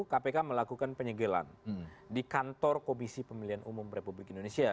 kpk melakukan penyegelan di kantor komisi pemilihan umum republik indonesia